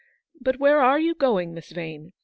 But where are you going, Miss Vane